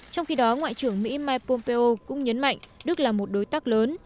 trong khi đó ngoại trưởng mỹ mike pompeo cũng nhấn mạnh đức là một đối tác lớn